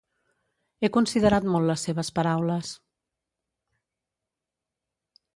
He considerat molt les seves paraules.